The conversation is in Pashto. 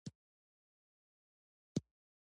خاص کونړ ولسوالۍ پراخې ځمکې لري